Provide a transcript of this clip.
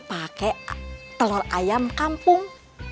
pakai telur ayam kampung